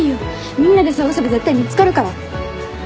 みんなで捜せば絶対見つかるから。